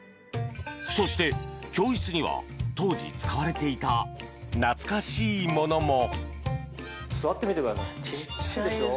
そして教室には、当時使われていた懐かしいものも。